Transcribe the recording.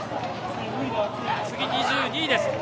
２２位です。